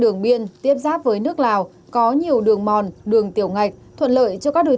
đường biên tiếp giáp với nước lào có nhiều đường mòn đường tiểu ngạch thuận lợi cho các đối